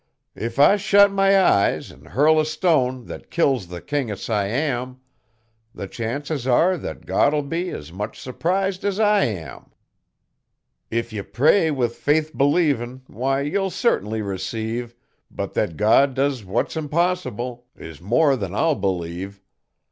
If I shet my eyes an' hurl a stone that kills the King o' Siam, The chances are that God'll be as much surprised as I am. If ye pray with faith believin', why, ye'll certnly receive, But that God does what's impossible is more than I'll believe.